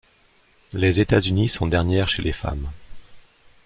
Les États-Unis sont dernières chez les femmes.